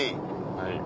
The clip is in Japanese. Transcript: はい。